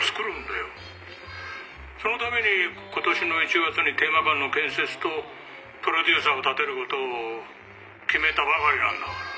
そのために今年の１月にテーマ館の建設とプロデューサーを立てることを決めたばかりなんだから」。